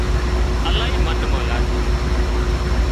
الاهي منَ مان لاڄي